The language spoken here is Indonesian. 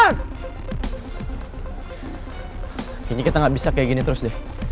kayaknya kita nggak bisa kayak gini terus deh